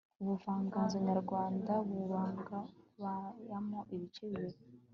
ubuvanganzo nyarwanda babugabanyamo ibice bibiri